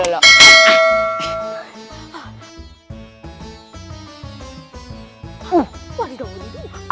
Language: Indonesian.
wah tidak mau tidur